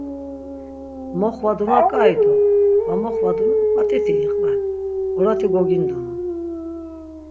Moxvaduna ǩai do va moxvaduna p̌at̆iti iqven, orati gogindunun.